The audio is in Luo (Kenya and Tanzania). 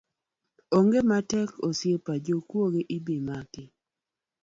Onge matek osiepa, jokuoge ibimaki